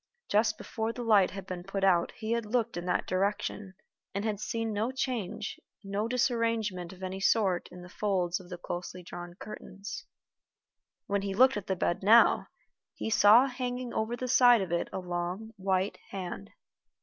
Just before the light had been put out he had looked in that direction, and had seen no change, no disarrangement of any sort in the folds of the closely drawn curtains. When he looked at the bed now, he saw hanging over the side of it a long white hand.